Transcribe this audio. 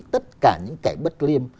tất cả những kẻ bất liêm